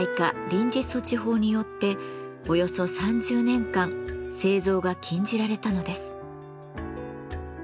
臨時措置法」によっておよそ３０年間製造が禁じられたのです。